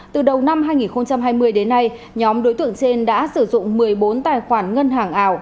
từ đầu năm hai nghìn hai mươi đến nay nhóm đối tượng trên đã sử dụng một mươi bốn tài khoản ngân hàng ảo